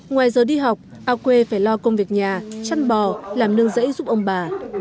ngoài giờ đi học ao quê phải lo công việc nhà chăn bò làm nương rẫy giúp ông bà